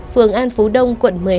phường an phú đông quận một mươi hai